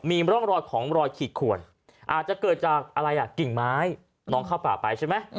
มีร่องรอยของรอยขีดขวนอาจจะเกิดจากอะไรอ่ะกิ่งไม้น้องเข้าป่าไปใช่ไหม